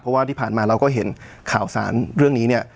เพราะว่าที่ผ่านมาเราก็เห็นข่าวสารเรื่องนี้เนี่ย